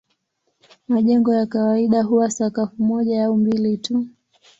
Majengo ya kawaida huwa sakafu moja au mbili tu.